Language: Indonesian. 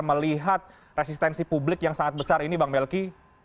melihat resistensi publik yang sangat besar ini bang melki